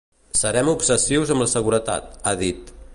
Serem obsessius amb la seguretat, ha dit.